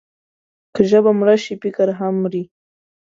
که ژبه مړه شي، فکر هم مري.